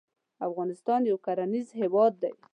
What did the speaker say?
افغانستان یو کرنیز هیواد دی